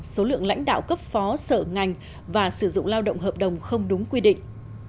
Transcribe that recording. số lượng lãnh đạo cấp phó sở ngành và sử dụng lao động hợp đồng không đúng quy định